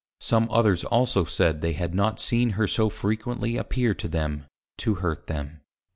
Some others also said they had not seen her so frequently appear to them, to hurt them.